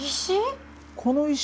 石？